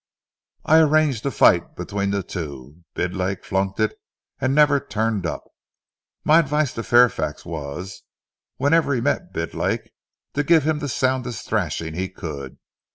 I arranged a fight between the two. Bidlake funked it and never turned up. My advice to Fairfax was, whenever he met Bidlake, to give him the soundest thrashing he could.